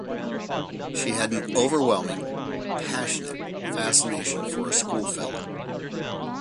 She had an overwhelming, passionate fascination for a schoolfellow.